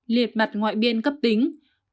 liệt mặt ngoại biên cấp tính